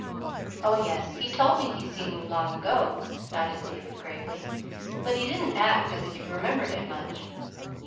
"Oh, yes, he told me he'd seen you long ago," nodded David gravely; "but he didn't act as if he remembered it much."